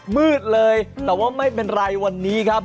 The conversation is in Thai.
มืดเลยแต่ว่าไม่เป็นไรวันนี้ครับ